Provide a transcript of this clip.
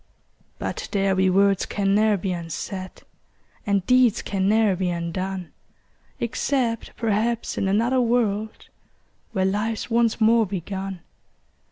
But there be words can ne'er be unsaid, And deeds can ne'er be undone, Except perhaps in another world, Where life's once more begun.